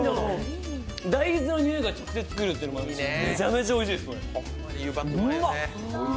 大豆の匂いが直接くるっていうのもあってめちゃめちゃおいしいです。